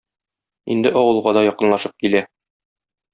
Инде авылга да якынлашып килә.